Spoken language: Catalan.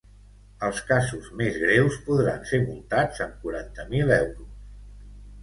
Els casos més greus podran ser multats amb quaranta mil euros.